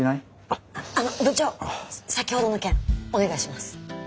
あの部長先ほどの件お願いします。